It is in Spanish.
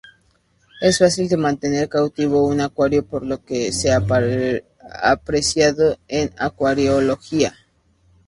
Es fácil de mantener cautivo en acuario por lo que es apreciado en acuariología.